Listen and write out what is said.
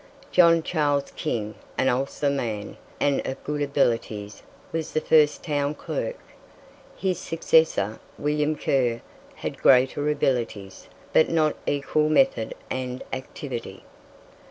John Charles King, an Ulster man, and of good abilities, was the first town clerk. His successor, William Kerr, had greater abilities, but not equal method and activity.